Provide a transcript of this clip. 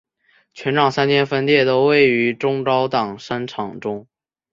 全港三间分店都位于中高档商场内。